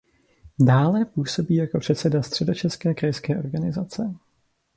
Dále působí jako předseda Středočeské krajské organizace.